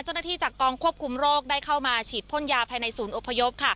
จากกองควบคุมโรคได้เข้ามาฉีดพ่นยาภายในศูนย์อพยพ